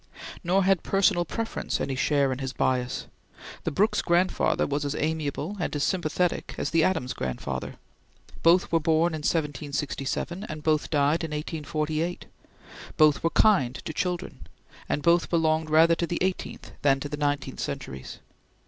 Nor had personal preference any share in his bias. The Brooks grandfather was as amiable and as sympathetic as the Adams grandfather. Both were born in 1767, and both died in 1848. Both were kind to children, and both belonged rather to the eighteenth than to the nineteenth centuries.